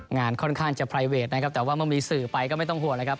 งานค่อนข้างจะไพรเวทนะครับแต่ว่าเมื่อมีสื่อไปก็ไม่ต้องห่วงแล้วครับ